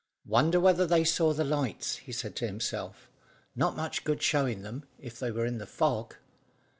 "Wonder whether they saw the lights," he said to himself. "Not much good showing them, if they were in the fog."